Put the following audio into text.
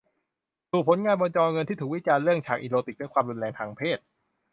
สู่ผลงานบนจอเงินที่ถูกวิจารณ์เรื่องฉากอีโรติกและความรุนแรงทางเพศ